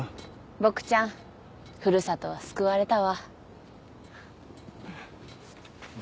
ボクちゃん古里は救われたわ。